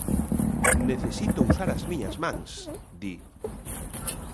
"Necesito usar as miñas mans", di.